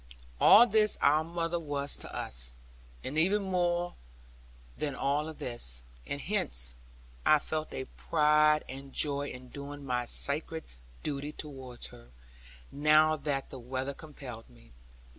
All this our mother was to us, and even more than all of this; and hence I felt a pride and joy in doing my sacred duty towards her, now that the weather compelled me.